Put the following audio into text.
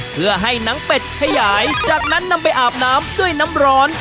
เพื่อให้หนังเป็ดขยายจากนั้นนำไปอาบน้ำด้วยน้ำร้อน